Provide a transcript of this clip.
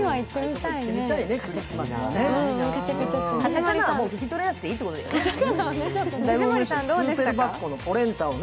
カタカナはもう聞き取れなくていいってことだよね。